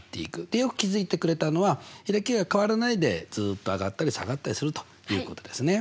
でよく気付いてくれたのは開きが変わらないでずっと上がったり下がったりするということですね。